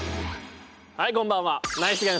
はいこんばんは。